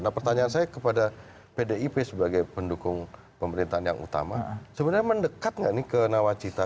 nah pertanyaan saya kepada pdip sebagai pendukung pemerintahan yang utama sebenarnya mendekat nggak nih ke nawacita